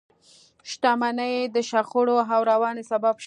شتمنۍ د شخړو او ورانۍ سبب شوه.